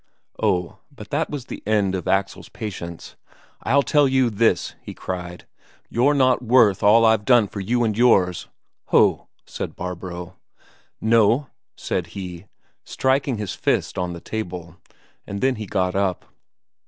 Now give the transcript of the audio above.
Oh, but that was the end of Axel's patience. "I'll tell you this," he cried, "you're not worth all I've done for you and yours!" "Ho!" said Barbro. "No!" said he, striking his fist on the table. And then he got up.